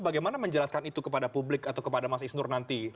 bagaimana menjelaskan itu kepada publik atau kepada mas isnur nanti